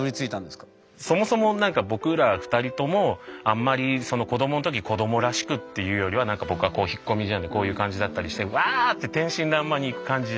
そもそもなんか僕ら２人ともあんまり子どもの時に子どもらしくっていうよりは僕は引っ込み思案でこういう感じだったりして「うわ！」って天真らんまんにいく感じじゃない。